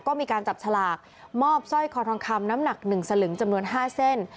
ก็มีการจับฉลากมอบสร้อยคอทองคำน้ำหนัก๑สลึงจำนวน๕เส้น